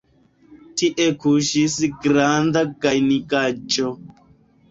Tie kuŝis granda gajnigaĵo.